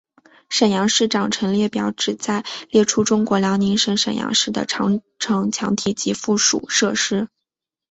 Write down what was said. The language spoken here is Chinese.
沈阳市长城列表旨在列出中国辽宁省沈阳市的长城墙体及附属设施。